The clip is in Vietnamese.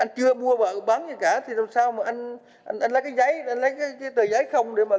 anh chưa mua bán gì cả thì làm sao mà anh anh lấy cái giấy anh lấy cái tờ giấy không để mà làm